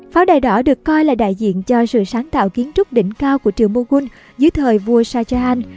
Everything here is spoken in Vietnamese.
pháo đài đỏ được coi là đại diện cho sự sáng tạo kiến trúc đỉnh cao của triều moghul dưới thời vua sajahan